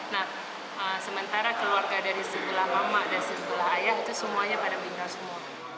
nah sementara keluarga dari sebelah mamak dan sebelah ayah itu semuanya pada meninggal semua